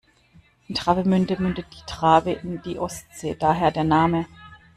In Travemünde mündet die Trave in die Ostsee, daher der Name.